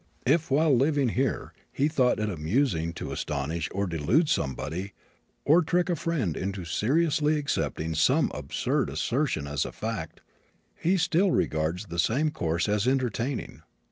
If while living here, he thought it amusing to astonish or delude somebody, or trick a friend into seriously accepting some absurd assertion as a fact, he still regards the same course as entertaining.